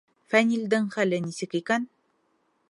Фәнилдең хәле нисек икән?